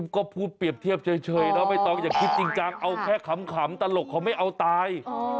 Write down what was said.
ก็พูดเปรียบเทียบเฉยเนาะไม่ต้องอย่าคิดจริงจังเอาแค่ขำตลกเขาไม่เอาตาย